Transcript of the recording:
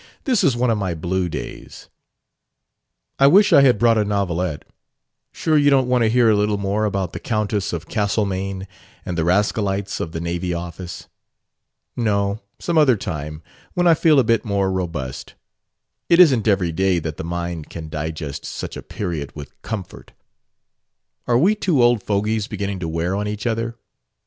This is one of my blue days." "I wish I had brought a novelette. Sure you don't want to hear a little more about the Countess of Castlemaine and the rascalities of the Navy Office?" "No; some other time, when I feel a bit more robust. It isn't every day that the mind can digest such a period with comfort." "Are we two old fogies beginning to wear on each other?"